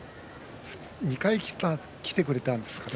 ２回来てくれたんですかね。